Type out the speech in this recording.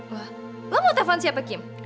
wah lo mau telepon siapa kim